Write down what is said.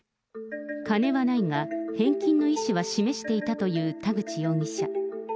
金はないが返金の意思は示していたという田口容疑者。